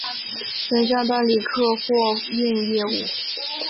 本站办理客货运业务。